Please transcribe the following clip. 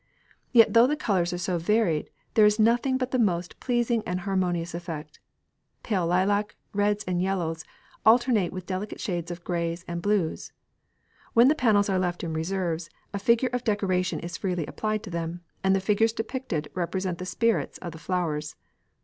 Yet though the colours are so varied there is nothing but the most pleasing and harmonious effect. Pale lilac, reds and yellows, alternate with delicate shades of greys and blues. When the panels are left in reserves, a figure decoration is freely applied to them, and the figures depicted represent the spirits of the flowers.